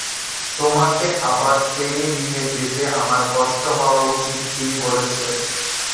"তোমাকে আবার টেনে নিয়ে যেতে আমার কষ্ট হওয়া উচিত," তিনি বলেছিলেন।